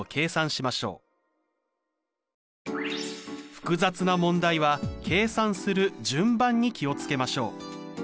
複雑な問題は計算する順番に気を付けましょう。